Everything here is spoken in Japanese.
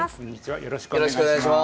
よろしくお願いします。